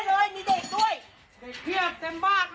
แต่เย็นเดี๋ยวพุ่งมือไป